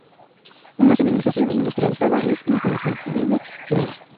Una civilización industrializada es inconcebible sin ella.